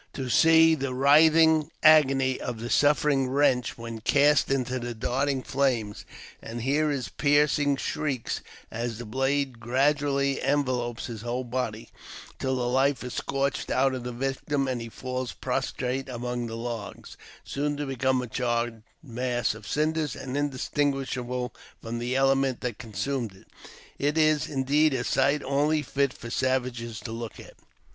To see the writhing agony of the suffering wretch when cast into « the darting flames, and hear his piercing shrieks as the blaze '" gradually envelopes his whole body, until the life is scorched out of the victim, and he falls prostrate among the logs, soon to become a charred mass of cinders undistinguishable from the element that consumed it — it is indeed a sight only fit for savages to look at.